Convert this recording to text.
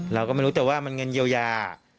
เราก็ไม่รู้แต่ว่ามันเงินเยียวยา